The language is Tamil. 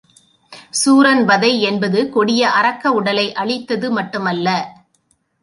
சூரன்வதை என்பது கொடிய அரக்க உடலை அழித்தது மட்டும் அல்ல.